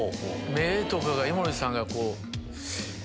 目とかが井森さんがこう。